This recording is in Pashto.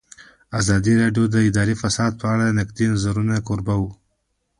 ازادي راډیو د اداري فساد په اړه د نقدي نظرونو کوربه وه.